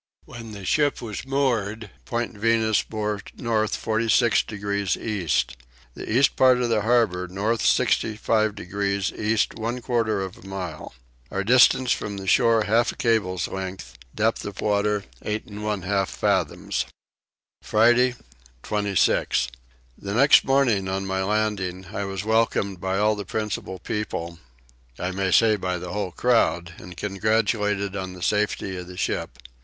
When the ship was moored Point Venus bore north 46 degrees east. The east point of the harbour north 65 degrees east one quarter of a mile. Our distance from the shore half a cable's length; depth of water 8 1/2 fathoms. Friday 26. The next morning on my landing I was welcomed by all the principal people; I may say by the whole crowd, and congratulated on the safety of the ship.